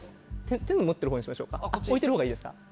手に持ってるほうにしましょうか置いてるほうがいいですか？